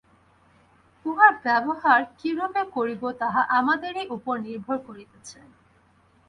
উহার ব্যবহার কিরূপে করিব তাহা আমাদেরই উপর নির্ভর করিতেছে।